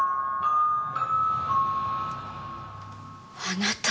あなた。